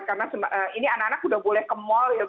karena ini anak anak sudah boleh kemol